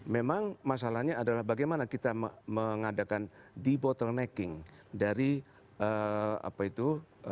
memang masalahnya adalah bagaimana kita mengadakan debottlenecking dari apa itu